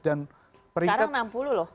sekarang enam puluh loh